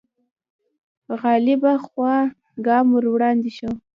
غالبه خوا ګام وړاندې شو